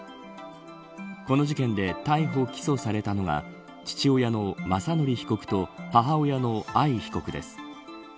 この事件で逮捕、起訴されたのは父親の雅則被告と母親の藍被告です。